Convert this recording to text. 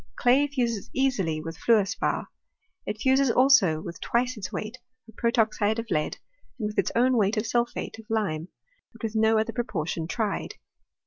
Clay fuses easily with fluor spar ; it fuses, also, with twice its weight of protoxide of lead, and with its own weight of sulphate of lime, but with no other proportion tried.